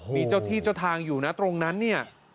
มีเจ้าที่เจ้าทางอยู่นะตรงนั้นเนี่ย